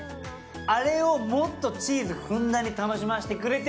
あれをもっとチーズふんだんに楽しませてくれてる。